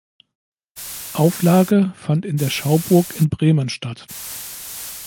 Auflage fand in der Schauburg in Bremen statt.